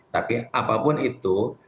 tapi apapun itu